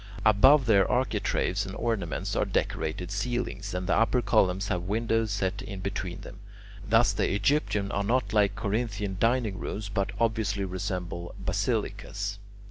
Above their architraves and ornaments are decorated ceilings, and the upper columns have windows set in between them. Thus the Egyptian are not like Corinthian dining rooms, but obviously resemble basilicas.